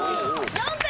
４分！